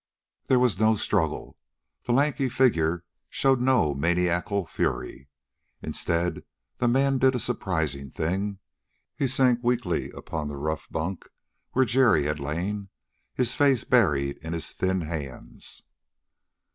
There was no struggle: the lanky figure showed no maniacal fury. Instead, the man did a surprising thing. He sank weakly upon the rough bunk where Jerry had lain, his face buried in his thin hands.